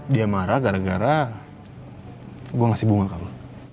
dia marah gara gara gue ngasih bunga ke lu